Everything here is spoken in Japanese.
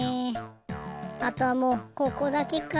あとはもうここだけか。